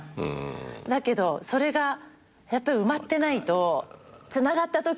だけどそれがやっぱり埋まってないとつながったときにああ